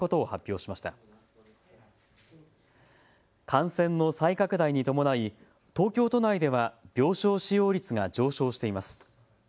感染の再拡大に伴い東京都内では病床使用率が上昇しています。